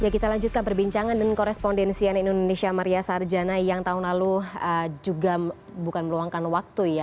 kita lanjutkan perbincangan dan korespondensian indonesia maria sarjana yang tahun lalu juga bukan meluangkan waktu ya